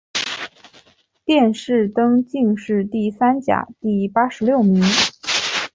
殿试登进士第三甲第八十六名。